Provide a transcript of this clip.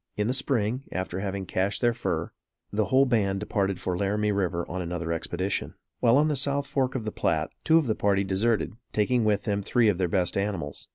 In the Spring, after having cached their fur, the whole band departed for Laramie River on another expedition. While on the south fork of the Platte, two of the party deserted, taking with them three of their best animals.